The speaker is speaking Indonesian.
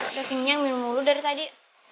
udah kenyang minum mulu dari tadi